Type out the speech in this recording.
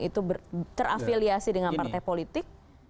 itu terafiliasi dengan partai politik